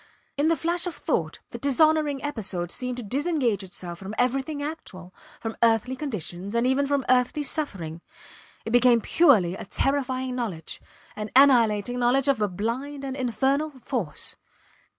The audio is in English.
In the flash of thought the dishonouring episode seemed to disengage itself from everything actual, from earthly conditions, and even from earthly suffering; it became purely a terrifying knowledge, an annihilating knowledge of a blind and infernal force.